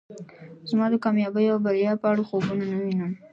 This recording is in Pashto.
زه د کامیابۍ او بریا په اړه خوبونه نه وینم.